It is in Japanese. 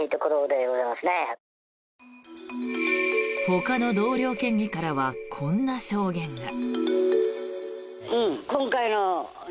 ほかの同僚県議からはこんな証言が。